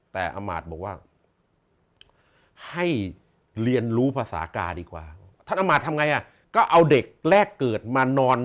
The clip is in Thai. แต่อามาตย์บอกว่าให้เรียนรู้ภาษากาดีกว่าท่านอามาตทำไงอ่ะก็เอาเด็กแรกเกิดมานอน